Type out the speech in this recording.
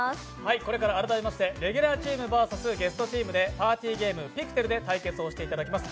これから改めましてレギュラーチームＶＳゲストチームでパーティーゲーム、「ピクテル」で対決していただきます。